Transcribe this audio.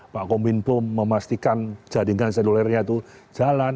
pak kominfo memastikan jaringan selulernya itu jalan